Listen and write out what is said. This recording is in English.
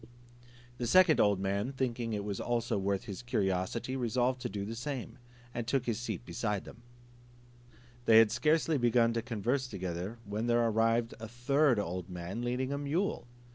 The second old man thinking it also worth his curiosity, resolved to do the same, and took his seat by them. They had scarcely begun to converse together, when there arrived a third old man leading a mule.